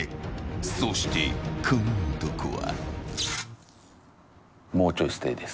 そして、この男は。